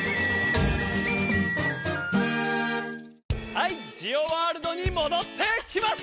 はいジオワールドにもどってきました！